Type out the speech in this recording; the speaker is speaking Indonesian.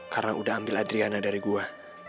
karena udah ambil adriana dari gue